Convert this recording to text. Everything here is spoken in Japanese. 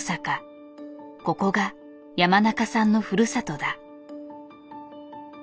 ここが山中さんのふるさとだ。